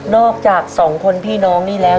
อกจากสองคนพี่น้องนี่แล้ว